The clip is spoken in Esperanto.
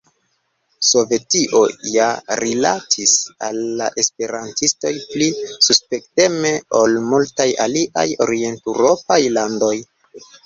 Sovetio ja rilatis al la esperantistoj pli suspekteme ol multaj aliaj orienteŭropaj landoj.